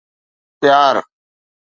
پيار